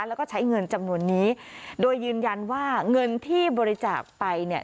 แล้วก็ใช้เงินจำนวนนี้โดยยืนยันว่าเงินที่บริจาคไปเนี่ย